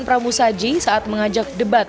pramu saji saat mengajak debat